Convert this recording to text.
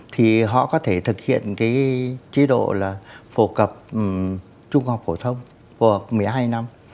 thì họ có thể thực hiện cái chế độ là phổ cập trung học phổ thông phổ hợp một mươi hai năm